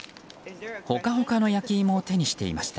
ホカホカの焼き芋を手にしていました。